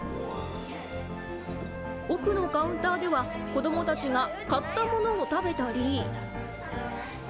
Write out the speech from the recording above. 奥のカウンターでは、子どもたちが買ったものを食べたり。